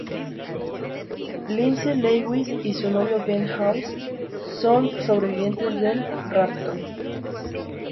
Lindsey Lewis y su novio Ben House son sobrevivientes del rapto.